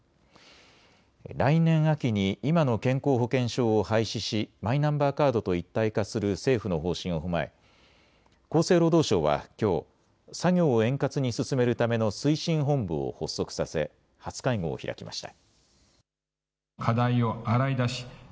来年秋に今の健康保険証を廃止しマイナンバーカードと一体化する政府の方針を踏まえ厚生労働省はきょう作業を円滑に進めるための推進本部を発足させ初会合を開きました。